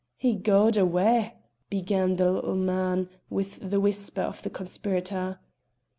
"He ga'ed awa' " began the little man, with the whisper of the conspirator.